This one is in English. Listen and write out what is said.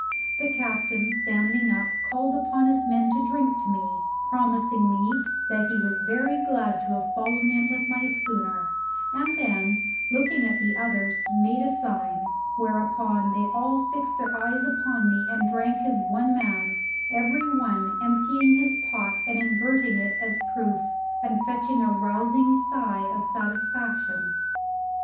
The captain, standing up, called upon his men to drink to me, promising me that he was very glad to have fallen in with my schooner, and then, looking at the others, made a sign, whereupon they all fixed their eyes upon me and drank as one man, every one emptying his pot and inverting it as a proof, and fetching a rousing sigh of satisfaction.